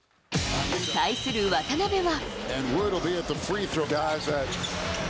対する渡邊は。